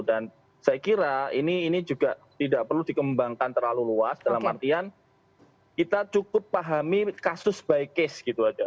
dan saya kira ini juga tidak perlu dikembangkan terlalu luas dalam artian kita cukup pahami kasus by case gitu aja